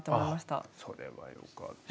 あそれはよかったです。